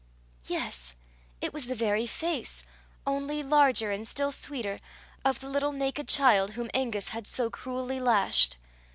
Yes it was the very face, only larger, and still sweeter, of the little naked child whom Angus had so cruelly lashed!